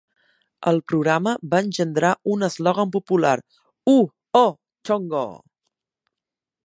El programa va engendrar un eslògan popular: "Uh-oh, Chongo!".